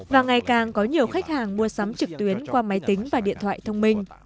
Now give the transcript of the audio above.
và ngày càng có nhiều khách hàng mua sắm trực tuyến qua máy tính và điện thoại thông minh